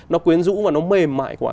nó quyến rũ mà nó mềm mại quá